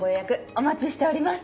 お待ちしております。